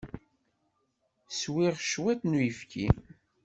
Swiɣ cwiṭ n uyefki.